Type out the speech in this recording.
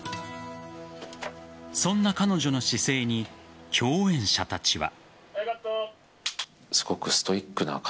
そんな彼女の姿勢に共演者たちは。